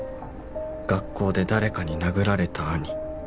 学校で誰かに殴られた兄